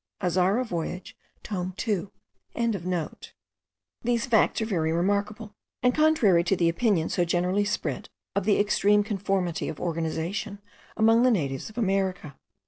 Azara Voyage tome 2.) These facts are very remarkable, and contrary to the opinion so generally spread, of the extreme conformity of organization among the natives of America.